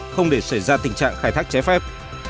không để xảy ra tình trạng khai thác trái phép